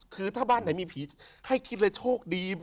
คือถ้าบ้านไหนมีผีให้คิดเลยโชคดี